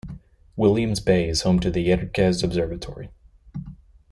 Williams Bay is home to the Yerkes Observatory.